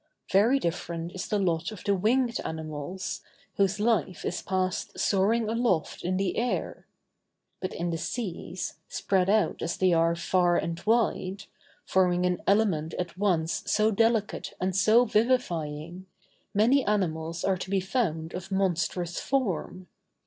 Very different is the lot of the winged animals, whose life is passed soaring aloft in the air. But in the seas, spread out as they are far and wide, forming an element at once so delicate and so vivifying, many animals are to be found of monstrous form.